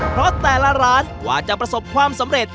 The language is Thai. เพราะแต่ละร้านกว่าจะประสบความสำเร็จ